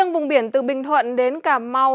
vùng biển từ bình thuận đến cà mau